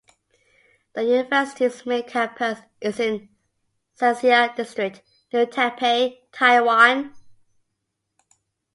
The university's main campus is in Sanxia District, New Taipei, Taiwan.